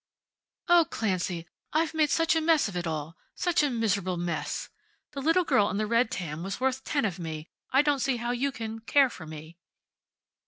"Oh, Clancy, I've made such a mess of it all. Such a miserable mess. The little girl in the red tam was worth ten of me. I don't see how you can care for me."